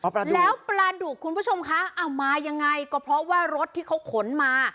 ปลาดุแล้วปลาดุกคุณผู้ชมคะเอามายังไงก็เพราะว่ารถที่เขาขนมา